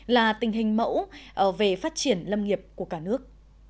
là tình hình mẫu về phát triển lâm nghiệp của cả nước